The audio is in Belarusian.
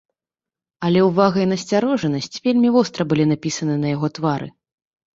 Але ўвага і насцярожанасць вельмі востра былі напісаны на яго твары.